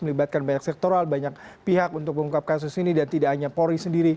melibatkan banyak sektoral banyak pihak untuk mengungkap kasus ini dan tidak hanya percaya dengan kasus ini